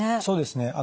そうですね。